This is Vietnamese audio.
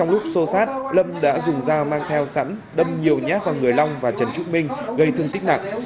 trong lúc xô sát lâm đã dùng dao mang theo sẵn đâm nhiều nhát vào người long và trần trúc minh gây thương tích nặng